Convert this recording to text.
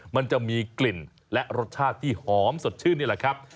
มันจะมีกลิ่นและรสชาติที่หอมสดชื่นนี่แหละครับ